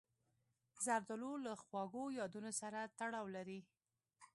زردالو له خواږو یادونو سره تړاو لري.